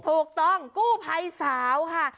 ถูกต้องกู้ภัยสาวค่ะ